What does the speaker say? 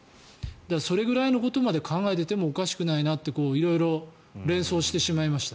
それぐらいのことまで考えていてもおかしくないなって色々、連想してしまいました。